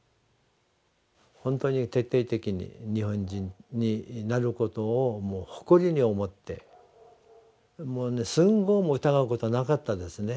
本当に徹底的に日本人になることをもう誇りに思ってもう寸毫も疑うことなかったですね。